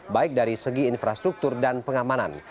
baik dari segi infrastruktur dan pengamanan